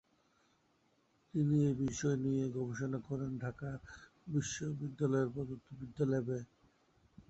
তিনি এই বিষয় নিয়ে গবেষণা করেন ঢাকা বিশ্ববিদ্যালয়ের পদার্থবিদ্যা ল্যাবে।